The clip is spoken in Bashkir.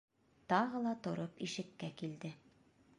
Тағы ла тороп ишеккә килде.